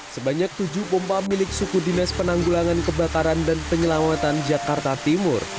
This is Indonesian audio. sebanyak tujuh pompa milik suku dinas penanggulangan kebakaran dan penyelamatan jakarta timur